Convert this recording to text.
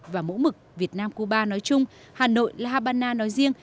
và mẫu mực việt nam cuba nói chung hà nội la habana nói riêng